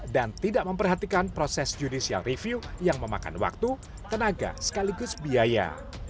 dan tidak memperhatikan proses judicial review yang memakan waktu tenaga sekaligus biaya